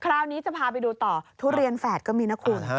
คราวนี้จะพาไปดูต่อทุเรียนแฝดก็มีนะคุณ